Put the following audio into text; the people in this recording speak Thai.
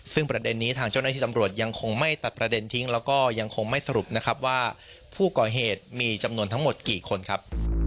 ซึ่งประเด็นนี้ทางเจ้าหน้าที่ตำรวจยังคงไม่ตัดประเด็นทิ้งแล้วก็ยังคงไม่สรุปนะครับว่าผู้ก่อเหตุมีจำนวนทั้งหมดกี่คนครับ